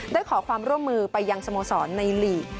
ขอความร่วมมือไปยังสโมสรในลีก